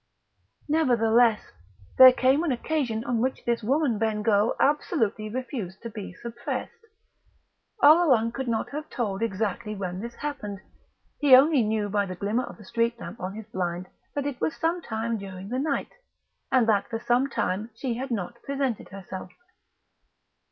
Nevertheless, there came an occasion on which this woman Bengough absolutely refused to be suppressed. Oleron could not have told exactly when this happened; he only knew by the glimmer of the street lamp on his blind that it was some time during the night, and that for some time she had not presented herself.